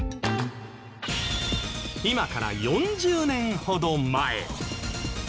今から４０年ほど前